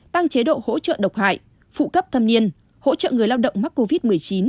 tăng chế độ hỗ trợ độc hại phụ cấp thâm niên hỗ trợ người lao động mắc covid một mươi chín